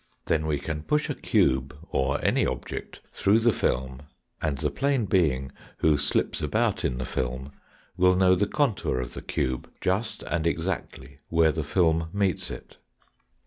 Then we can push a cube or any object through the film and the plane being who slips about in the film will know the contour of the cube just and exactly where the film meets it.